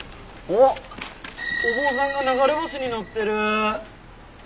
お坊さんが流れ星にのってる！